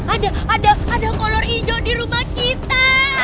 ada ada ada kolor ijo di rumah kita